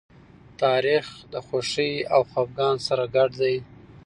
تاریخ د خوښۍ او خپګان سره ګډ دی.